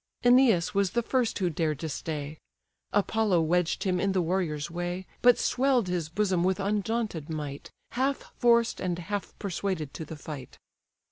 Æneas was the first who dared to stay; Apollo wedged him in the warrior's way, But swell'd his bosom with undaunted might, Half forced and half persuaded to the fight.